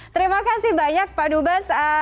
terima kasih banyak pak dubas